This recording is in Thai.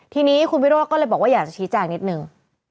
ทีนี้คุณวิโรธก็เลยบอกว่าอยากจะชี้แจงนิดนึง